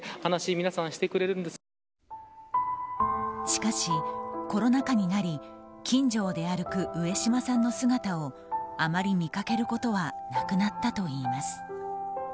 しかし、コロナ禍になり近所を出歩く上島さんの姿をあまり見かけることはなくなったといいます。